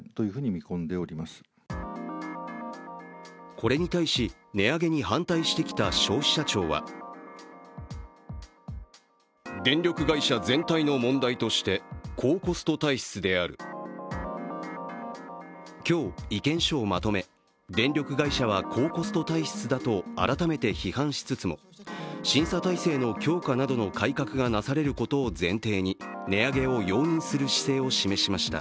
これに対し、値上げに反対してきた消費者庁は今日、意見書をまとめ電力会社は高コスト体質だと改めて批判しつつも審査体制の強化などの改革がなされることを前提に値上げを容認する姿勢を示しました。